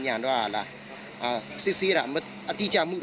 มันไม่ใช่แหละมันไม่ใช่แหละ